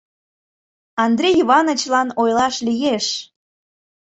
— Андрей Иванычлан ойлаш лиеш.